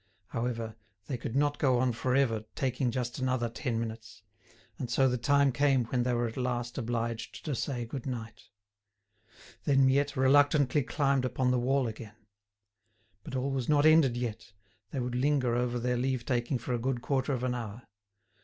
However, they could not go on for ever taking just another ten minutes, and so the time came when they were at last obliged to say good night. Then Miette reluctantly climbed upon the wall again. But all was not ended yet, they would linger over their leave taking for a good quarter of an hour.